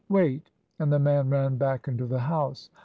Wait!" And the man ran back into the house.